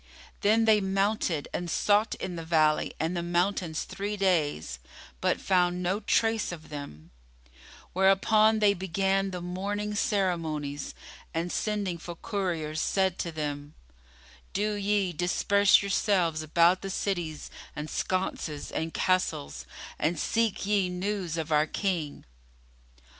Then they mounted and sought in the valley and the mountains three days, but found no trace of them; whereupon they began the mourning ceremonies and, sending for couriers, said to them, "Do ye disperse yourselves about the cities and sconces and castles, and seek ye news of our King."